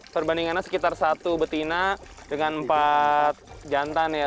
perbandingannya sekitar satu betina dengan empat jantan ya